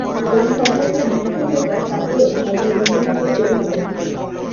যদি সব মন্দির ধ্বংস হয়ে যায়, তাতেও ধর্মের বিন্দুমাত্র ক্ষতি হবে না।